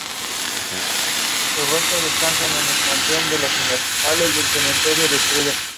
Aparece la bóveda para transmitir el peso al suelo mediante arbotantes.